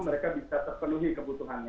mereka bisa terpenuhi kebutuhannya